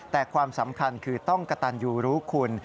แต่ความสำคัญคือต้องกระตันยูรู้คุณ